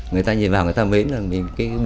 người ta nhìn vào người ta mến